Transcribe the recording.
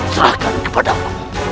serahkan kepada aku